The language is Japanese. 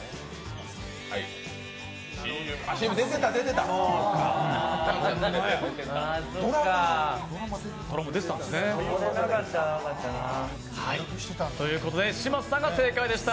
ＣＭ、出てた出てた、ドラマということで嶋佐さんが正解でした。